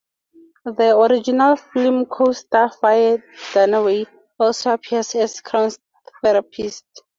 The original film's co-star Faye Dunaway also appears as Crown's therapist.